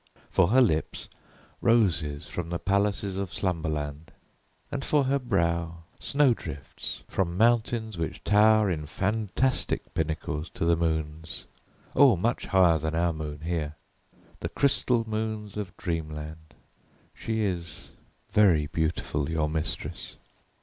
For her lips, roses from the palaces of slumberland, and for her brow, snow drifts from mountains which tower in fantastic pinnacles to the moons; oh, much higher than our moon here, the crystal moons of dreamland. She is very beautiful, your mistress."